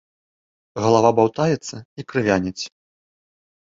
Галава баўтаецца і крывяніць.